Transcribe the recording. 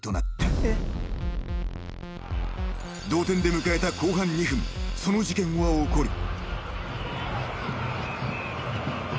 ［同点で迎えた後半２分その事件は起こる］